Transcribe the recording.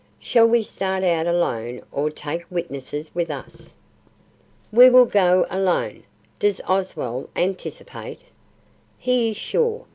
Shall we start out alone or take witnesses with us?" "We will go alone. Does Oswald anticipate " "He is sure.